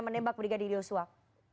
menebak brigadir yusuf